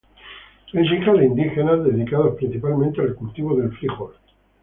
Es hija de indígenas, dedicados principalmente al cultivo de fríjol.